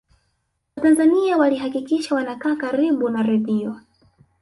watanzania walihakikisha wanakaa karibu na redio